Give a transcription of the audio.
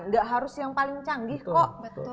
gak harus yang paling canggih kok